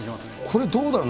これ、どうだろう。